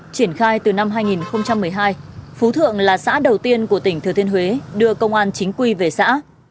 triển khai từ năm hai nghìn một mươi hai phú thượng là xã đầu tiên của tỉnh thừa thiên huế đưa công an chính quy về xã